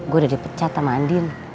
gua udah dipecat sama andien